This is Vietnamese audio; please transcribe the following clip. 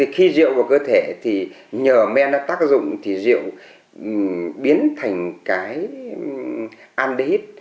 khi rượu vào cơ thể thì nhờ men nó tác dụng thì rượu biến thành cái an đi hít